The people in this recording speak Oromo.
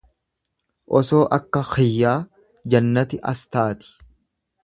Osoo akka khiyyaa jannati as taati.